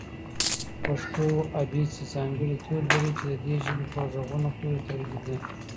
پښتو ابېڅې ځانګړي توري لري چې د دې ژبې په غږونو پورې تړلي دي.